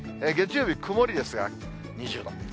月曜日曇りですが、２０度。